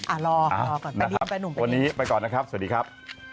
อ่ะรอก่อนไปรีบไปหนุ่มไปนะครับวันนี้ไปก่อนนะครับสวัสดีครับ